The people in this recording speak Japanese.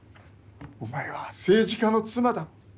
お前は政治家の妻だ。